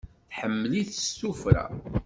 Tḥemmel-it s tuffra.